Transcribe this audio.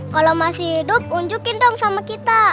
kalau masih hidup unjukin dong sama kita